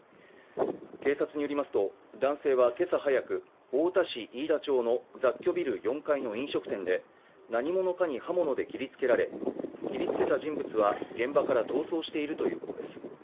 警察によりますと男性はけさ早く太田市飯田町の雑居ビル４階の飲食店で何者かに刃物で切りつけられ切りつけた人物は現場から逃走しているということです